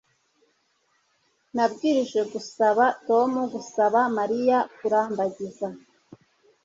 Nabwirijwe gusaba Tom gusaba Mariya kurambagiza